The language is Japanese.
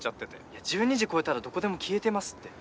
いや１２時越えたらどこでも消えてますって。